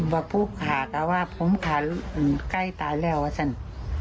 ว่าผู้ข่าว่าผมข่าใกล้ตายแล้วอาจารย์